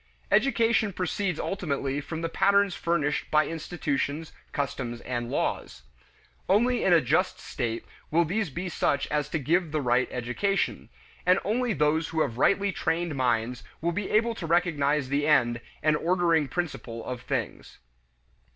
Education proceeds ultimately from the patterns furnished by institutions, customs, and laws. Only in a just state will these be such as to give the right education; and only those who have rightly trained minds will be able to recognize the end, and ordering principle of things.